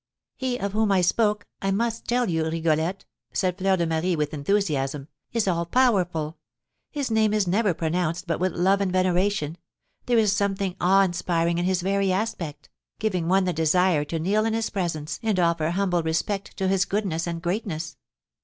"He of whom I spoke, I must tell you, Rigolette," said Fleur de Marie, with enthusiasm, "is all powerful; his name is never pronounced but with love and veneration; there is something awe inspiring in his very aspect, giving one the desire to kneel in his presence and offer humble respect to his goodness and greatness."